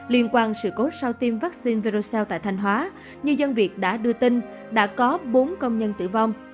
liên quan sự cố sau tiêm vaccine tại thanh hóa như dân việt đã đưa tin đã có bốn công nhân tử vong